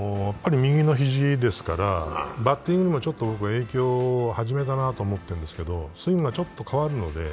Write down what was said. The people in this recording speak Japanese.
右の肘ですから、バッティングにもちょっと影響するかなと思ってるんですけど、スイングがちょっと変わるので。